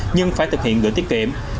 nhưng phải thực hiện gửi tiết kiệm